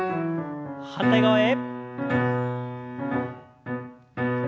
反対側へ。